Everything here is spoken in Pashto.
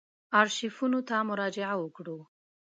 آرشیفونو ته مراجعه وکړو.